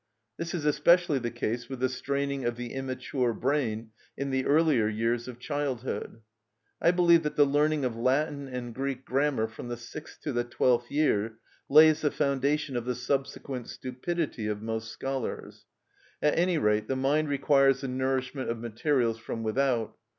This is especially the case with the straining of the immature brain in the earlier years of childhood. I believe that the learning of Latin and Greek grammar from the sixth to the twelfth year lays the foundation of the subsequent stupidity of most scholars. At any rate the mind requires the nourishment of materials from without.